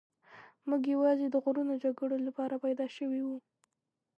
موږ یوازې د غرونو جګړو لپاره پیدا شوي یو.